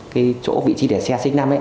cái chỗ vị trí để xe xe x năm